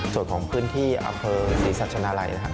ส่วนของพื้นที่อำเภอศรีสัชนาลัยนะครับ